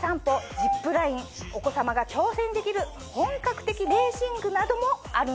ジップラインお子さまが挑戦できる本格的レーシングなどもあるんです。